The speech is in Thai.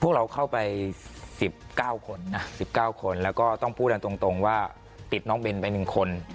พวกเราเข้าไป๑๙คนนะ๑๙คนแล้วก็ต้องพูดกันตรงว่าติดน้องเบนไป๑คน